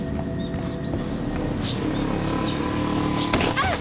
あっ！